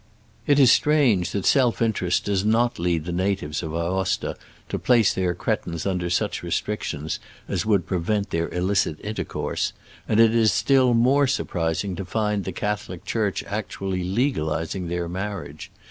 It is strange that self interest does not lead the natives of Aosta to place their cretins under such restrictions as would prevent their illicit intercourse ; and it is still more surpris ing to find the Catholic Church actually legalizing their marriage.